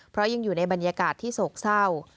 เพราะยังอยู่ในบรรยากาศที่โศกเศร้า